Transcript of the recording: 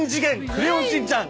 クレヨンしんちゃん』